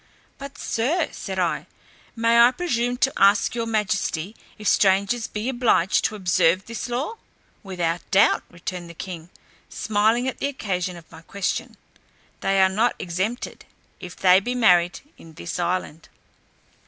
"But, Sir," said I, "may I presume to ask your majesty, if strangers be obliged to observe this law?" "Without doubt," returned the king (smiling at the occasion of my question), "they are not exempted, if they be married in this island."